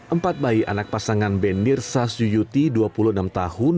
empat bayi anak pasangan benir sasyuti dua puluh enam tahun